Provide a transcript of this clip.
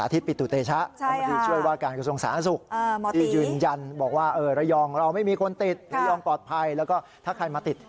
ที่จังหวัดเชียงรายป่วยอีก